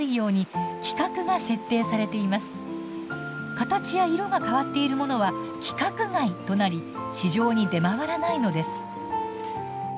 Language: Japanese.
形や色が変わっているものは「規格外」となり市場に出回らないのです。